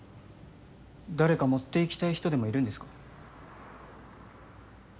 誰か持っていきたい人でもいるんですか？